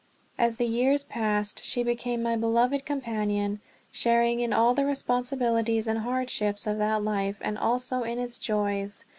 As the years passed she became my beloved companion, sharing in all the responsibilities and hardships of that life, and also in its joys.